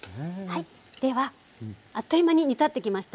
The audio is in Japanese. ではあっという間に煮立ってきました。